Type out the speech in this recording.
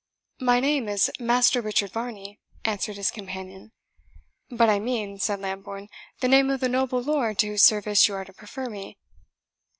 "My name is Master Richard Varney," answered his companion. "But I mean," said Lambourne, "the name of the noble lord to whose service you are to prefer me."